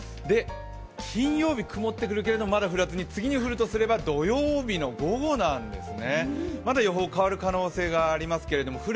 金曜日、くもってくるけど、まだ降らずに次降るとすれば土曜日の午後なんですね。